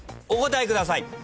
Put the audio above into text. お答えください。